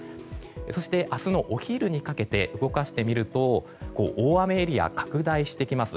そして、明日のお昼にかけて動かしてみると大雨エリアが拡大してきます。